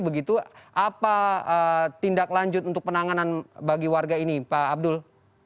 begitu apa tindak lanjut untuk penanganan bagi warga ini pak abdul